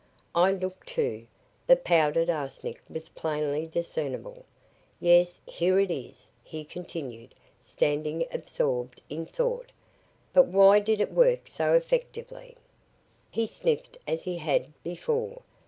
I looked, too. The powdered arsenic was plainly discernible. "Yes, here it is," he continued, standing absorbed in thought. "But why did it work so effectively?" He sniffed as he had before.